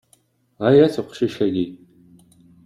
Ɣaya-t uqcic-agi.